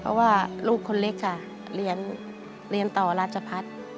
เพราะว่าลูกคนเล็กค่ะเรียนเรียนต่อราชพรรษ